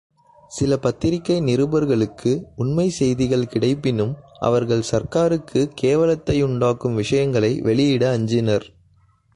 சில பத்திரிகை நிருபர்களுக்கு உண்மைச் செய்திகள் கிடைப்பினும் அவர்கள் சர்க்காருக்குக் கேவலத்தையுண்டாக்கும் விஷயங்களை வெளியிட அஞ்சினர்.